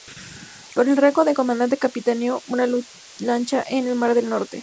Con el rango de comandante capitaneó una lancha en el mar del Norte.